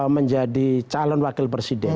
menjadi calon wakil presiden